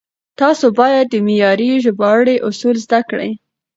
تاسو بايد د معياري ژباړې اصول زده کړئ.